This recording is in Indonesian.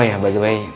oh ya baik baik